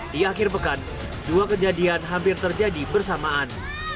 di akhir pekan dua kejadian hampir terjadi bersamaan